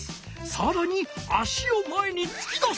さらに足を前につき出す。